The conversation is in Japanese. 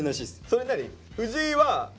それ何？